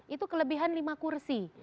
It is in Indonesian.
itu kelebihan lima kursi